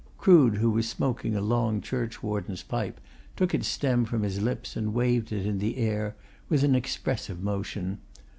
Crood, who was smoking a long churchwarden pipe, took its stem from his lips, and waved it in the air with an expressive motion.